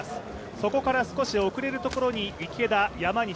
そこから少し遅れるところに池田、山西。